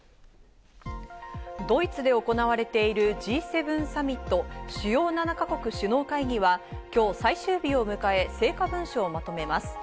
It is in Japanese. ドイツで行われているＧ７サミット＝主要７か国首脳会議は今日最終日を迎え、成果文書をまとめます。